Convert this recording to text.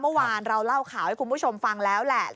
เมื่อวานเราเล่าข่าวให้คุณผู้ชมฟังแล้วแหละ